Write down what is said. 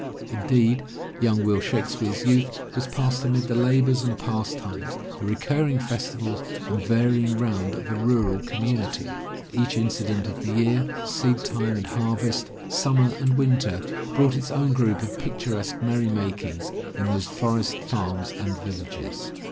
Indeed, young Will Shakespeare's youth was passed amid the labors and pastimes, the recurring festivals and varying round of a mral community. Each incident of the year, seedtime and harvest, summer and winter, brought its own group of picturesque merry makings in those forest farms and villages.